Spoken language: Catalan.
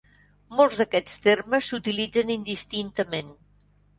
Molts d'aquests termes s'utilitzen indistintament.